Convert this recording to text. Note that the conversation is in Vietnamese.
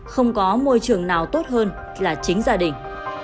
không có môi trường nào tốt hơn là chính gia đình